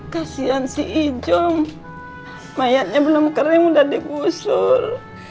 kasian si ijom mayatnya belum kering udah dibusur